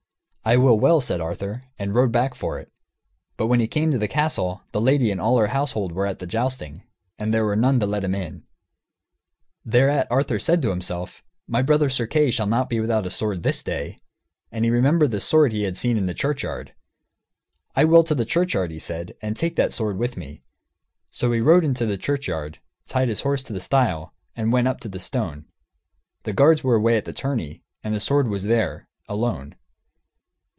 "I will well," said Arthur, and rode back for it. But when he came to the castle, the lady and all her household were at the jousting, and there was none to let him in. Thereat Arthur said to himself, "My brother Sir Kay shall not be without a sword this day." And he remembered the sword he had seen in the churchyard. "I will to the churchyard," he said, "and take that sword with me." So he rode into the churchyard, tied his horse to the stile, and went up to the stone. The guards were away to the tourney, and the sword was there, alone.